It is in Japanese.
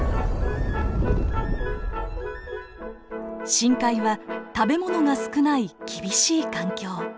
深海は食べ物が少ない厳しい環境。